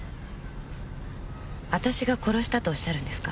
私が殺したとおっしゃるんですか？